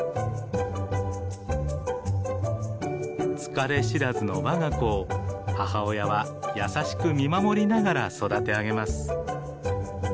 疲れ知らずのわが子を母親は優しく見守りながら育て上げます。